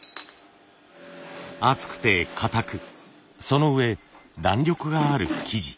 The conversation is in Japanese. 厚くてかたくそのうえ弾力がある生地。